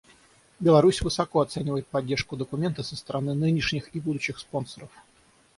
Беларусь высоко оценивает поддержку документа со стороны нынешних и будущих спонсоров.